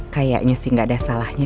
kayaknya sih gak ada salahnya